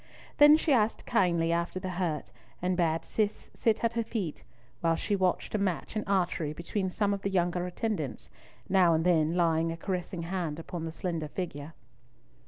Then she asked kindly after the hurt, and bade Cis sit at her feet, while she watched a match in archery between some of the younger attendants, now and then laying a caressing hand upon the slender figure.